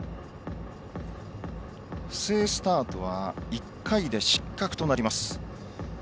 不正スタートは１回で失格となります。